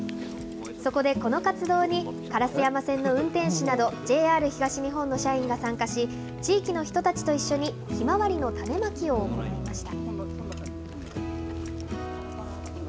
そこでこの活動に、烏山線の運転士など、ＪＲ東日本の社員が参加し、地域の人たちと一緒にひまわりの種まきを行いました。